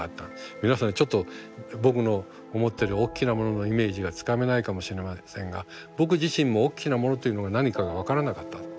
皆さんにちょっと僕の思ってるおっきなもののイメージがつかめないかもしれませんが僕自身もおっきなものというのが何かが分からなかった。